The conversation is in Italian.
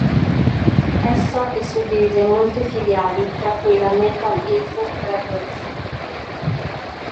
Essa è suddivisa in molte filiali tra cui la "Metal-Is Records".